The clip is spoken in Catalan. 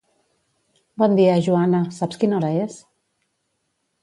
Bon dia, Joana, saps quina hora és?